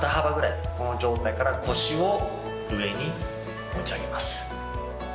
この状態から腰を上に持ち上げます。